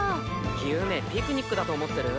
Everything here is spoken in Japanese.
ゆめピクニックだと思ってる？